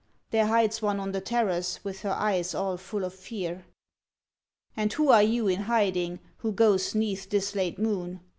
'' There hides one on the terrace, with her eyes all full of fear.' ' And who are you in hiding, who goes 'neath this He discov ,. crs his wife late moon